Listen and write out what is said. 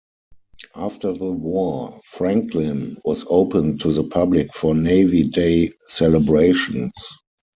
After the war, "Franklin" was opened to the public for Navy Day celebrations.